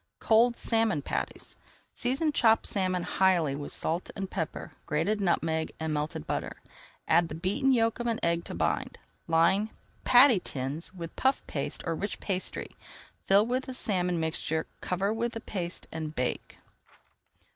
COLD SALMON PATTIES Season chopped salmon highly with salt and pepper, grated nutmeg and melted butter. Add the beaten yolk of an egg to bind. Line patty tins with puff paste or rich pastry, fill with the salmon mixture, cover with the paste, and bake.